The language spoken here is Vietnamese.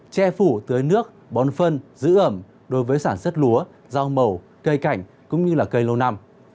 che phủ tưới nước bón phân giữ ẩm đối với sản xuất lúa rau màu cây cảnh cũng như là cây lâu năm